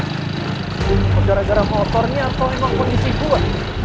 gue gara gara motornya atau emang kondisi gue